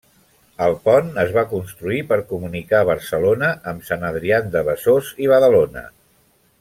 El pont es va construir per comunicar Barcelona amb Sant Adrià de Besòs i Badalona.